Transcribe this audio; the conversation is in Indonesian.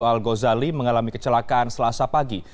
al ghazali mengalami kecelakaan selasa pagi